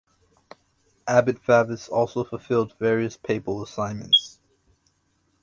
Abbot Favus also fulfilled various papal assignments.